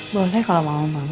boleh kalau mama mau